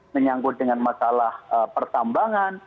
menyanggut dengan masalah pertambangan